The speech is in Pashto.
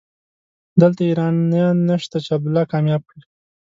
دلته ايرانيان نشته چې عبدالله کامياب کړي.